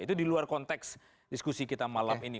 itu di luar konteks diskusi kita malam ini